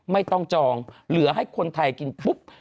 ไม่ต้องจองเหลือให้คนไทยกินปุ๊บ